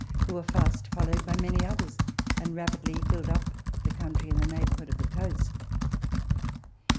who were fast followed by many others, and rapidly filled up the country in the neighbourhood of the coast.